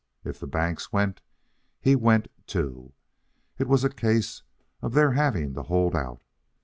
If the banks went, he went too. It was a case of their having to hold out.